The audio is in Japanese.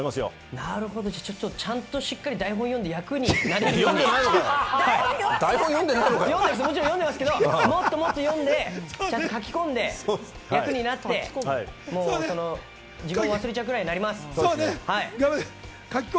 なるほど、ちゃんとしっかり台本読んで役にもちろんちゃんと読んでますけど、もっとしっかり読んで書き込んで役になって自分を忘れちゃうくらいになります。